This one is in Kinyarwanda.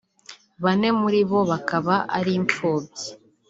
bane muri bo bakaba ari impfubyi